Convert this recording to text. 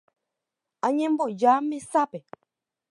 Añemboja mesápe